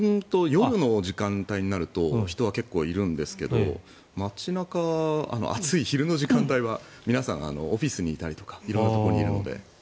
夜の時間帯になると人は結構いるんですが街中、暑い昼の時間帯は皆さんオフィスにいたり色んなところにいるので。